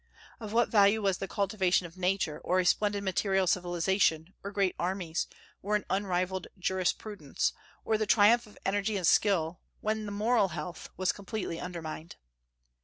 Of what value was the cultivation of Nature, or a splendid material civilization, or great armies, or an unrivalled jurisprudence, or the triumph of energy and skill, when the moral health was completely undermined?